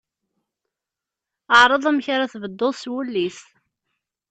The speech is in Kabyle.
Ɛreḍ amek ara tbedduḍ s wullis.